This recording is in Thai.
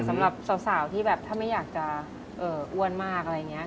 สำหรับสาวที่แบบถ้าไม่อยากจะอ้วนมากอะไรอย่างนี้